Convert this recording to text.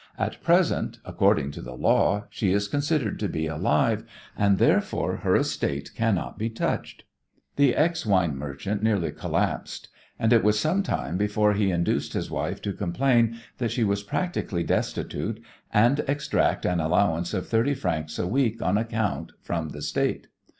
At present, according to the law, she is considered to be alive, and, therefore, her estate cannot be touched." The ex wine merchant nearly collapsed, and it was some time before he induced his wife to complain that she was practically destitute and extract an allowance of thirty francs a week on account from the State.